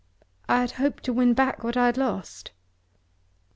"I hoped to win back what I had lost."